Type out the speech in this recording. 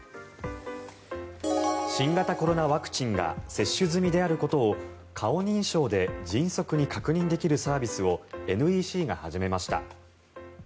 新型コロナワクチンが接種済みであることを顔認証で迅速に確認できるサービスをＮＥＣが始めました。